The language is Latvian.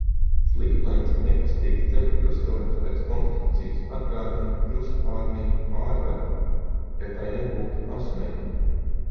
Slīpleņķa nekustīgs ceļa krustojums pēc konstrukcijas atgādina krustpārmiju pārvedu, ja tai nebūtu asmeņu.